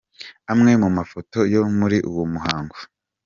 Amwe mu mafoto yo muri uwo muhango:.